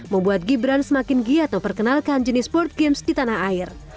membuat gibran semakin giat memperkenalkan jenis board games di tanah air